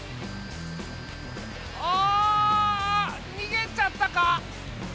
ああにげちゃったか。